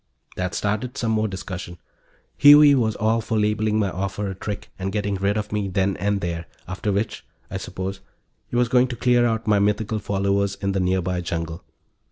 That started some more discussion. Huey was all for labeling my offer a trick and getting rid of me then and there after which, I suppose, he was going to clear out my mythical followers in the nearby jungle.